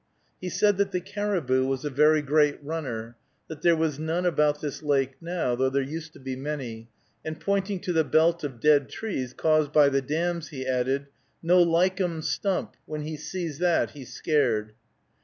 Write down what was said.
He said that the caribou was a "very great runner," that there was none about this lake now, though there used to be many, and pointing to the belt of dead trees caused by the dams, he added, "No likum stump, when he sees that he scared."